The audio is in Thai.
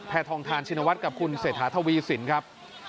ทองทานชินวัฒน์กับคุณเศรษฐาทวีสินครับ